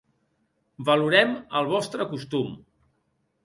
Valorem el vostre costum.